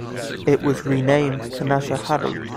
It was renamed Canajoharie.